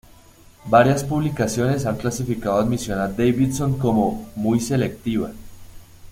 Varias publicaciones han clasificado admisión a Davidson como "muy selectiva".